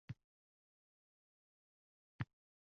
Ota-onam qayta o’qishimga qarshi edi.